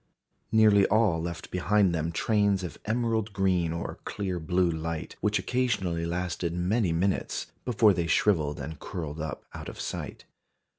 Nearly all left behind them trains of emerald green or clear blue light, which occasionally lasted many minutes, before they shrivelled and curled up out of sight.